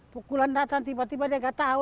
pukulan datang tiba tiba dia nggak tahu